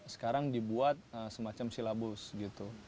sekarang dibuat semacam silabus gitu